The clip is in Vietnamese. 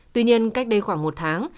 tuy nhiên cách đây khoảng một tháng